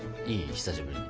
久しぶりに。